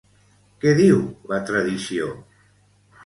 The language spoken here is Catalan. Què diu la tradició?